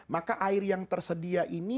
maka air yang tersedia ini